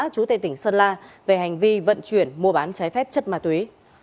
chú tây tỉnh sơn la về hành vi vận chuyển mua bán trái phép chất ma túy